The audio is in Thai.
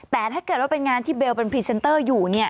แต่ถ้าเกิดว่าเป็นงานที่เบลเป็นพรีเซนเตอร์อยู่เนี่ย